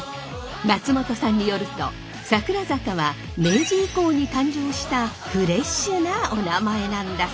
松本さんによると桜坂は明治以降に誕生したフレッシュなお名前なんだそうです。